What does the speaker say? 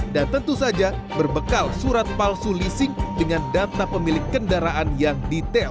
dan tentu saja berbekal surat palsu leasing dengan data pemilik kendaraan yang detail